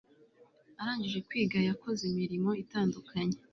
arangije kwiga yakoze imirimo itandukanye